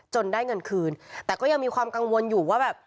ได้เงินคืนแต่ก็ยังมีความกังวลอยู่ว่าแบบ